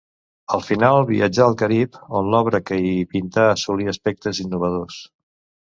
Al final viatjà al Carib, on l'obra que hi pintà assolí aspectes innovadors.